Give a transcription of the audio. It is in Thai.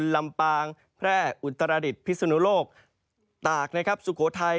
ลำปางแพร่อุตราดิษฐ์พิสุนโลกตากสุโขทัย